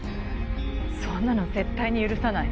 そんなの絶対に許さない。